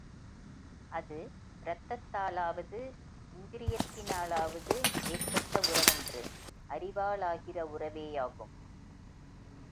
அது இரத்தத்தாலாவது இந்திரியத்தினாலாவது ஏற்பட்ட உறவன்று, அறிவாலாகிற உறவேயாகும்.